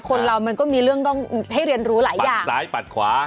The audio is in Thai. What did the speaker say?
คนเรามันก็มีเรื่องต้องให้เรียนรู้หลายอย่างซ้ายปัดขวา